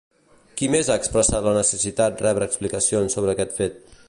Qui més ha expressat la necessitat rebre explicacions sobre aquest fet?